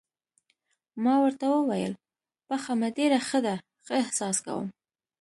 ما ورته وویل: پښه مې ډېره ښه ده، ښه احساس کوم.